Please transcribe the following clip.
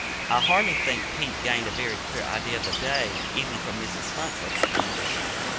I hardly think Pete gained a very clear idea of the day, even from Mrs. Hunt's explanation.